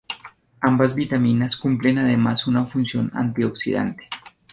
Ambas vitaminas, cumplen además una función antioxidante.